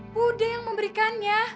bu de yang memberikannya